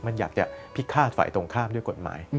มันอยากจะพิฆาตฝ่ายตรงข้ามด้วยกฎหมาย